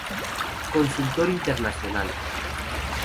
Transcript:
Consultor Internacional.